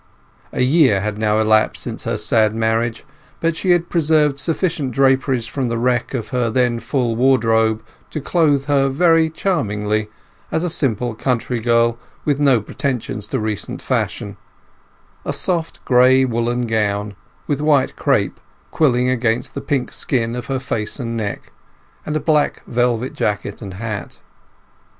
A year had now elapsed since her sad marriage, but she had preserved sufficient draperies from the wreck of her then full wardrobe to clothe her very charmingly as a simple country girl with no pretensions to recent fashion; a soft gray woollen gown, with white crape quilling against the pink skin of her face and neck, and a black velvet jacket and hat.